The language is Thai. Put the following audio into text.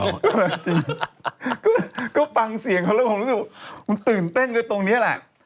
หรอจริงก็ปังเสียงเพราะเราก็มีฟังรู้สึกว่ามันตื่นเต้นไปตรงนี้อ่ะ